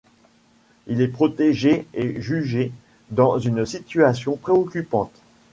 Il est protégé et jugé dans une situation préoccupante.